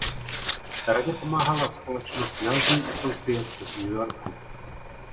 Radě pomáhala společnost Nelson Associates z New Yorku.